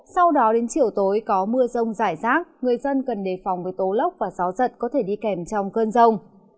sau đó đến chiều tối có mưa rông rải rác người dân cần đề phòng với tố lốc và gió giật có thể đi kèm trong cơn rông